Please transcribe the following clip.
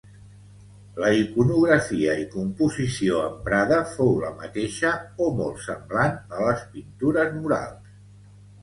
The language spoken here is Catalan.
La iconografia i composició emprada fou la mateixa o molt semblant a les pintures murals.